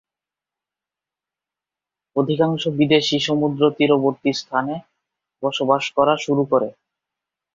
অধিকাংশ বিদেশি সমুদ্র তীরবর্তী স্থানে বসবাস করা শুরু করে।